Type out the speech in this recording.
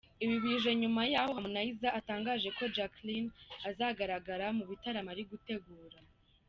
Ibi bije nyuma y’aho Harmonize atangaje ko Jackline azagaragara mu bitaramo ari gutegura.